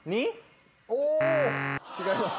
お違います。